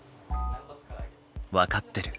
分かってる。